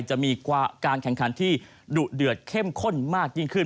จะมีการแข่งขันที่ดุเดือดเข้มข้นมากยิ่งขึ้น